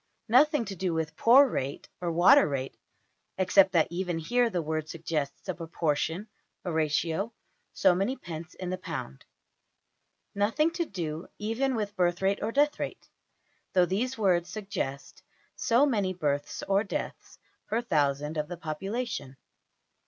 Nothing to do with poor rate, or water rate (except that even here the word suggests a proportion a ratio so many pence in the pound). Nothing to do even with birth rate or death rate, though these words suggest so many births or deaths per thousand of the population.